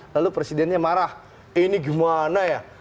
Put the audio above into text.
lalu presidennya marah ini gimana ya